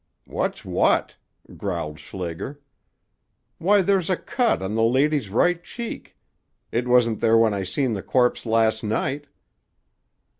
"What's what?" growled Schlager. "Why, there's a cut on the lady's right cheek. It wasn't there when I seen the corpse last night."